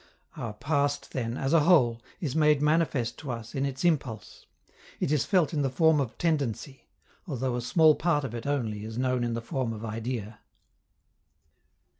Our past, then, as a whole, is made manifest to us in its impulse; it is felt in the form of tendency, although a small part of it only is known in the form of idea.